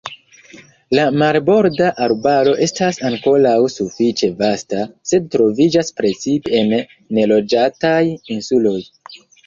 La marborda arbaro estas ankoraŭ sufiĉe vasta, sed troviĝas precipe en neloĝataj insuloj.